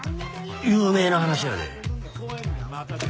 有名な話やで。